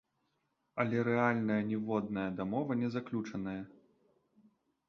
Але рэальна ніводная дамова не заключаная.